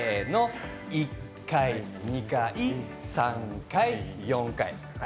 １回、２回、３回、４回。